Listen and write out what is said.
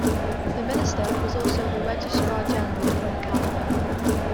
The minister was also the Registrar General of Canada.